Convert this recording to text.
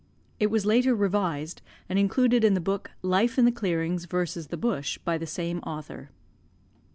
It was later revised and included in the book Life in the Clearings versus the Bush by the same author.